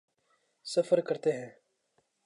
سفر کرتے ہیں۔